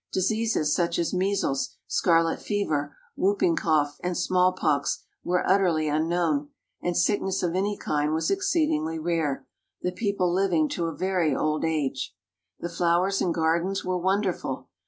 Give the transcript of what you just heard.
Diseases such as measles, scarlet fever, whooping cough and small pox were utterly unknown, and sickness of any kind was exceedingly rare, the people living to a very old age. The flowers and gardens were wonderful.